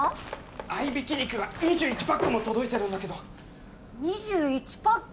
合い挽き肉が２１パックも届いてるんだけど２１パック！？